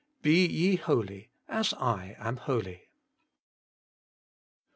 BE YE HOLY, AS I AM HOLY.